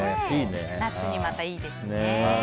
夏にいいですね。